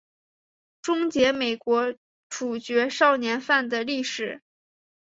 终结美国处决少年犯的历史。